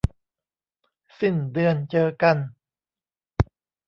สิ้นเดือนเจอกัน